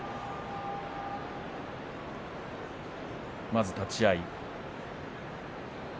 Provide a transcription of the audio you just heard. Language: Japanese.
まず立ち合い。